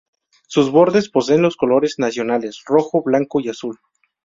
Sus bordes poseen los colores nacionales: rojo, blanco, y azul.